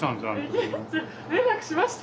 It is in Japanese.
連絡しました。